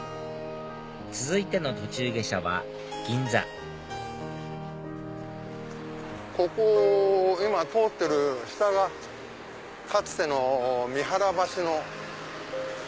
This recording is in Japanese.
続いての途中下車は銀座ここ今通ってる下がかつての三原橋の。